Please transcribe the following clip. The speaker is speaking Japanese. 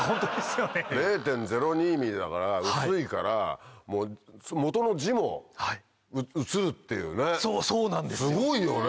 ０．０２ｍｍだから薄いから元の字も写るっていうねすごいよね！